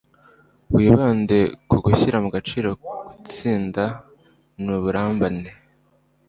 wibande ku gushyira mu gaciro - gutsinda ni uburimbane